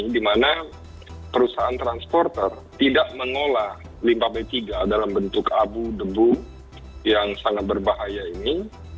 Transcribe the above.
di mana perusahaan transporter tidak mengolah limbah b tiga dalam bentuk abu debu yang sangat berbahaya ini